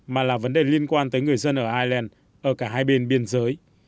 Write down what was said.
mà là vấn đề liên quan tới người dân ở ireland ở cả hai bên biên giới